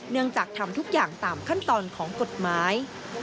จากทำทุกอย่างตามขั้นตอนของกฎหมาย